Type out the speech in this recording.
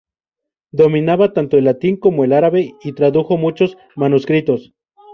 Dominaba tanto el latín como el árabe y tradujo muchos manuscritos.